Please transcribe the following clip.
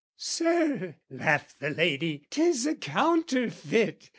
"Sir," laughed the Lady "'tis a counterfeit!